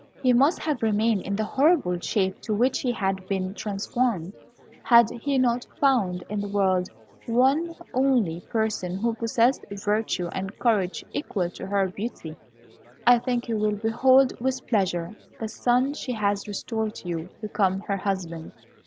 He must have remained in the horrible shape to which he had been transformed, had he not found in the world one only person who possessed virtue and courage equal to her beauty. I think you will behold with pleasure the son she has restored to you become her husband.